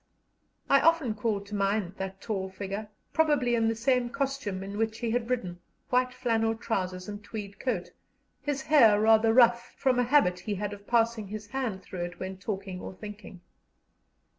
I often call to mind that tall figure, probably in the same costume in which he had ridden white flannel trousers and tweed coat his hair rather rough, from a habit he had of passing his hand through it when talking or thinking.